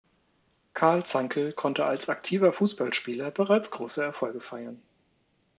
Karl Zankl konnte als aktiver Fußballspieler bereits große Erfolge feiern.